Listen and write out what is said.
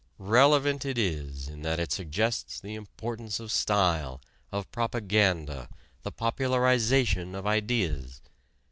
Relevant it is in that it suggests the importance of style, of propaganda, the popularization of ideas.